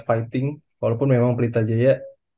fighting walaupun memang pelita jaya